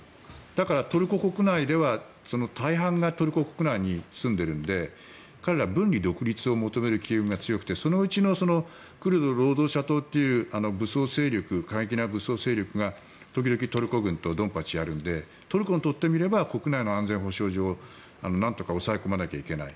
だから、トルコ国内では大半がトルコ国内に住んでいるので彼ら、分離独立を求める機運が強くてそのうちのクルド労働者党という過激な武装勢力が時々トルコ軍とドンパチやるのでトルコにとってみれば国内の安全保障上、なんとか抑え込まなきゃいけない。